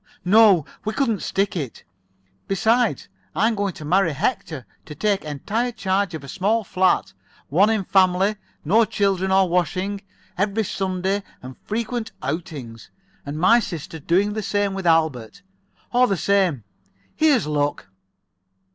No, we couldn't stick it. Besides, I'm going to marry Hector to take entire charge of a small flat, one in family, no children or washing, every Sunday, and frequent outings. And my sister's doing the same with Albert. All the same, here's luck."